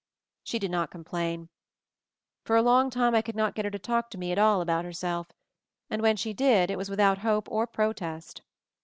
She did not complain. For a long time I could not get her to talk to me at all about herself, and when she did it was without hope or protest.